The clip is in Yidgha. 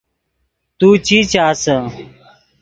تو چی چاسے